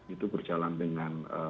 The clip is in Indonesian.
itu berjalan dengan